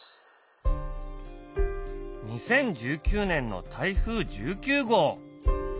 ２０１９年の台風１９号。